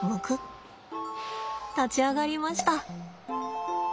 立ち上がりました。